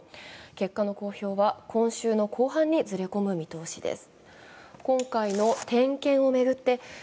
結果の公表は今週の後半にずれ込む見通しです。